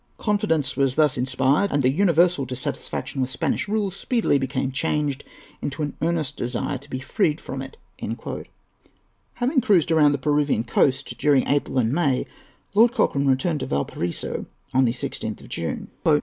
Confidence was thus inspired, and the universal dissatisfaction with Spanish rule speedily became changed into an earnest desire to be freed from it." Having cruised about the Peruvian coast during April and May, Lord Cochrane returned to Valparaiso on the 16th of June.